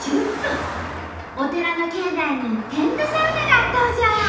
お寺の境内にテントサウナが登場！